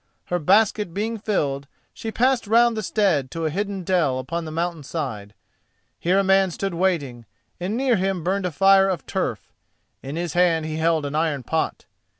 Her basket being filled, she passed round the stead to a hidden dell upon the mountain side. Here a man stood waiting, and near him burned a fire of turf. In his hand he held an iron pot.